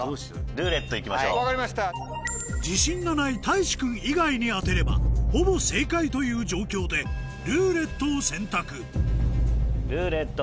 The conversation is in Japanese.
自信がないたいし君以外に当てればほぼ正解という状況で「ルーレット」を選択ルーレット。